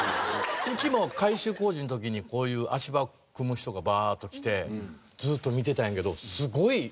うちも改修工事の時にこういう足場を組む人がバーッと来てずっと見てたんやけどすごい。